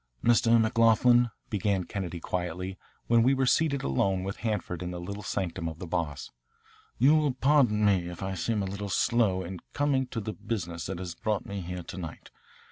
"Mr. McLoughlin," began Kennedy quietly, when we were seated alone with Hanford in the little sanctum of the Boss, "you will pardon me if I seem a little slow in coming to the business that has brought me here to night.